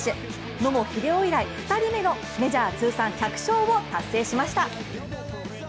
野茂英雄以来２人目のメジャー通算１００勝目を達成しました。